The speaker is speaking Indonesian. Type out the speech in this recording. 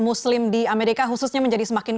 muslim di amerika khususnya menjadi semakin